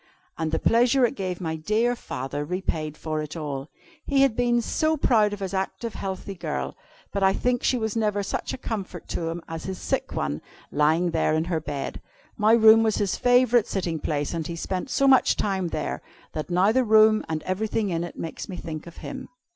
And the pleasure it gave my dear father repaid for all. He had been proud of his active, healthy girl, but I think she was never such a comfort to him as his sick one, lying there in her bed. My room was his favorite sitting place, and he spent so much time there, that now the room, and everything in it, makes me think of him."